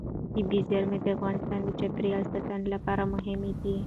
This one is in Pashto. طبیعي زیرمې د افغانستان د چاپیریال ساتنې لپاره مهم دي.